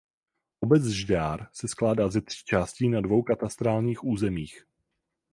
Obec Žďár se skládá ze tří částí na dvou katastrálních územích.